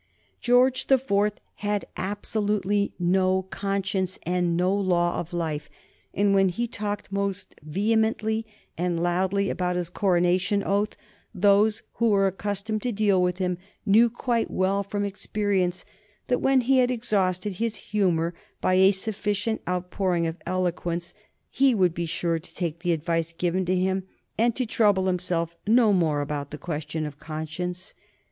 George the Fourth had absolutely no conscience and no law of life, and when he talked most vehemently and loudly about his coronation oath those who were accustomed to deal with him knew quite well from experience that when he had exhausted his humor by a sufficient outpouring of eloquence he would be sure to take the advice given to him and to trouble himself no more about the question of conscience.